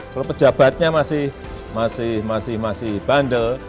kalau pejabatnya masih bandel